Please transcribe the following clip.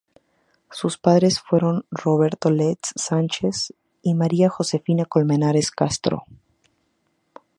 Sus padres fueron Roberto Letts Sánchez y María Josefina Colmenares Castro.